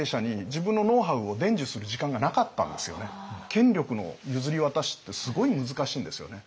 だから次の権力の譲り渡しってすごい難しいんですよね。